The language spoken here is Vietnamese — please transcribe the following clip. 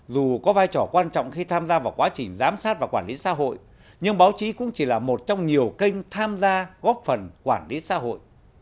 dù có vai trò quan trọng khi tham gia vào quá trình giám sát và quản lý xã hội nhưng báo chí cũng chỉ là một trong nhiều kênh tham gia góp phần quản lý xã hội